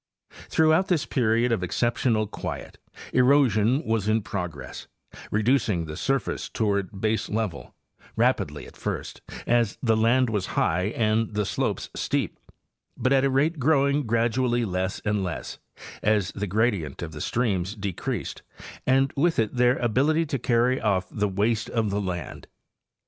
Throughout this period of exceptional quiet, erosion was in progress, reducing the surface toward baselevel—rapidly at first, as the land was high and the slopes steep, but at a rate growing gradually less and less as the gradient of the streams decreased and with it their ability to carry off the waste of the land.